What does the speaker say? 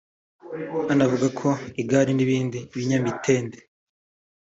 Anavuga ko igare n’ibindi binyamitende